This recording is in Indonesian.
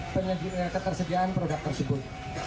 penyediaan ketersediaan produk tersebut